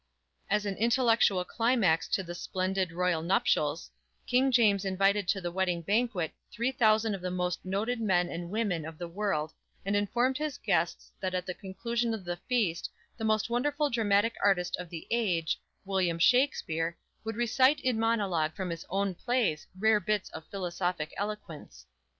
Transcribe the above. As an intellectual climax to the splendid, royal nuptials, King James invited to the wedding banquet three thousand of the most noted men and women of the world and informed his guests that at the conclusion of the feast the most wonderful dramatic artist of the age William Shakspere, would recite in monologue from his own plays rare bits of philosophic eloquence.